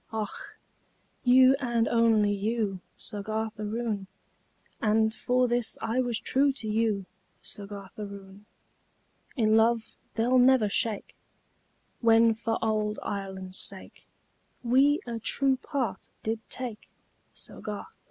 Och! you, and only you, Soggarth Aroon! And for this I was true to you, Soggarth Aroon; In love they'll never shake When for ould Ireland's sake We a true part did take, Soggarth Aroon!